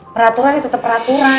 peraturan itu tetap peraturan